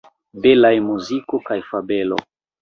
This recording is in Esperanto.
Belaj muziko kaj fabelo!